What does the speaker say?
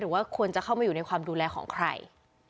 หรือว่าควรจะเข้ามาอยู่ในความดูแลของใคร